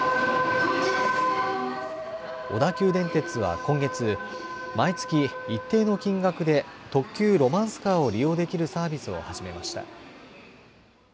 小田急電鉄は今月、毎月一定の金額で特急ロマンスカーを利用できるサービスを始めました。